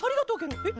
えっ？